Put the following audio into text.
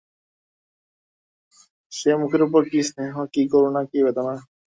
সে মুখের উপরে কী স্নেহ, কী করুণা, কী বেদনা!